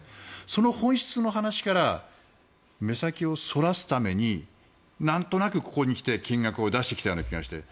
その本質の話から目先をそらすためになんとなくここに来て金額を出してきたような気がして。